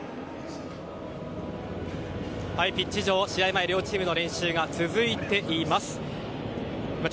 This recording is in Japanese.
ピッチ上、試合前両チームの練習が続いています。